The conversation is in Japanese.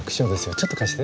ちょっと貸して。